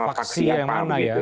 faksinya yang mana ya